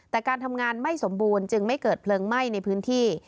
แต่การทำงานไม่สมบูรณ์จึงไม่เกิดเพลิงไหม้ในพื้นที่